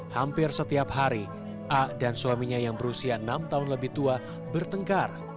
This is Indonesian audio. hampir setiap hari a dan suaminya yang berusia enam tahun lebih tua bertengkar